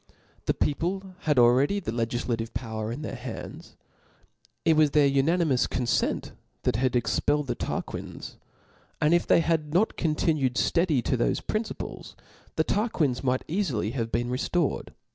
The people had already the Icgiflative power in their hands ; it was their unanimous con fen t that had expelled the Tarquins : and if they had not continued fteady to thofe principles, the Tarquins might eafily have been reftored.